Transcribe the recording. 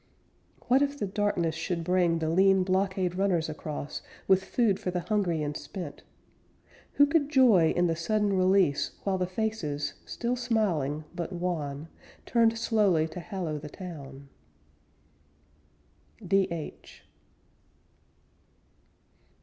What if the darkness should bring The lean blockade runners across With food for the hungry and spent.... Who could joy in the sudden release While the faces, still smiling, but wan, Turned slowly to hallow the town? D.H.